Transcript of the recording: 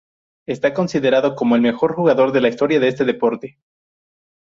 Está considerado como el mejor jugador de la historia de este deporte.